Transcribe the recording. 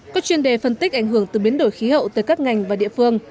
có chuyên đề phân tích ảnh hưởng từ biến đổi khí hậu tới các ngành và địa phương